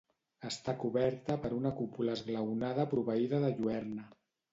Està coberta per una cúpula esglaonada proveïda de lluerna.